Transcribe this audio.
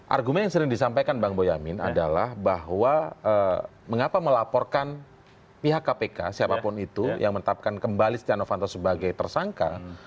argumen yang sering disampaikan bang boyamin adalah bahwa mengapa melaporkan pihak kpk siapapun itu yang menetapkan kembali setia novanto sebagai tersangka